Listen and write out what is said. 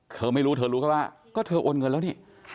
เธอไม่รู้เธอรู้แค่ว่าก็เธอโอนเงินแล้วนี่